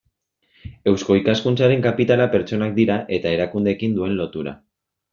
Eusko Ikaskuntzaren kapitala pertsonak dira eta erakundeekin duen lotura.